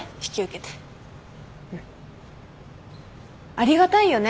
ありがたいよね。